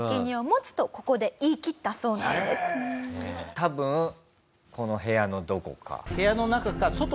多分この部屋のどこか。